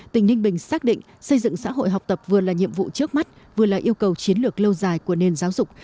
tỉnh ninh bình xác định xây dựng xã hội học tập vừa là nhiệm vụ trước mắt vừa là yêu cầu chiến lược lâu dài của nền giáo dục